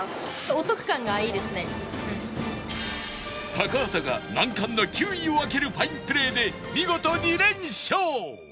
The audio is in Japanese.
高畑が難関の９位を開けるファインプレーで見事２連勝！